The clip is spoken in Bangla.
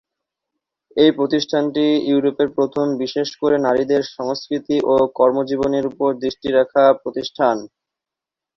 এই প্রতিষ্ঠানটি ইউরোপের প্রথম বিশেষ করে নারীদের সংস্কৃতি ও কর্মজীবনের উপর দৃষ্টি রাখা প্রতিষ্ঠান।